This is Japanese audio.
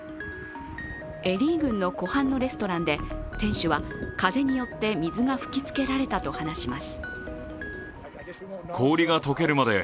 エリー郡の湖畔のレストランで店主は風によって水が吹きつけられたと話します。